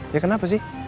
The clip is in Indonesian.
ya kenapa sih